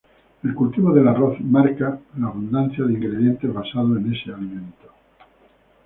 El cultivo del arroz marca la abundancia de ingredientes basados en este alimento.